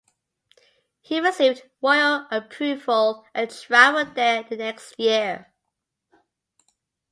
He received royal approval and traveled there the next year.